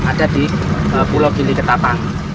ada di pulau gili ketapang